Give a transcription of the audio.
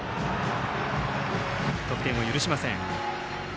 得点を許しません。